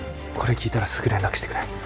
これ聞いたらすぐ連絡してくれ。